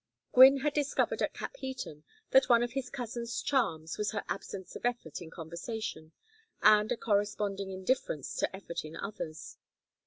Gwynne had discovered at Capheaton that one of his cousin's charms was her absence of effort in conversation and a corresponding indifference to effort in others.